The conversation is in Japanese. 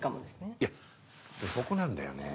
いやそこなんだよね